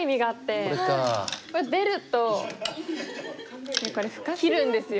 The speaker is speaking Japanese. これ出ると切るんですよ。